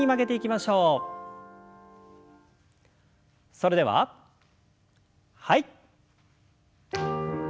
それでははい。